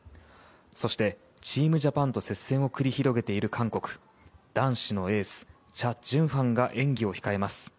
そしてチームジャパンと接戦を繰り広げている韓国男子のエースチャ・ジュンファンが演技を控えます。